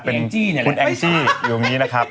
เป็นคุณแองซี่อยู่ตรงนี้นะครับ